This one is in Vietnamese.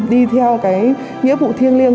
đi theo cái nghĩa vụ thiêng liêng